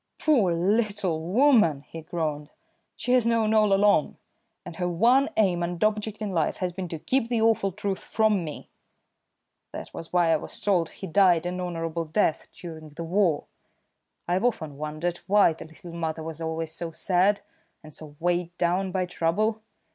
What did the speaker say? "Poor little woman!" he groaned. "She has known all along, and her one aim and object in life has been to keep the awful truth from me. That was why I was told he died an honourable death during the war. I've often wondered why the little mother was always so sad, and so weighed down by trouble.